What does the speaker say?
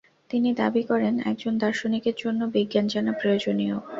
তিনি দাবী করেন একজন দার্শনিকের জন্য বিজ্ঞান জানা প্রয়োজনীয়।